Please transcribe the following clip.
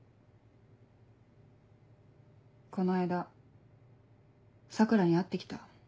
この間桜に会って来た。